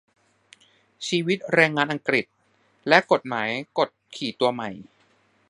ชีวิตแรงงานอังกฤษ และกฎหมายกดขี่ตัวใหม่